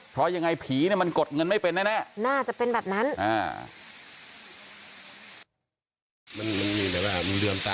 เพราะยังไงผีมันกดเงินไม่เป็นแน่